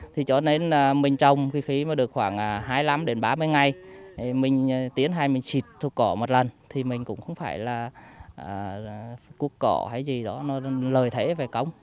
thì cho nên mình trồng khi mà được khoảng hai mươi năm đến ba mươi ngày mình tiến hành mình xịt thuốc cỏ một lần thì mình cũng không phải là cụt cỏ hay gì đó nó lợi thế về cống